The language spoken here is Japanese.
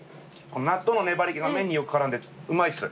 納豆の粘り気が麺によく絡んでうまいです。